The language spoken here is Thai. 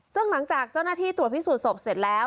ซึ่งหลังจากเจ้าหน้าที่ตรวจพิสูจนศพเสร็จแล้ว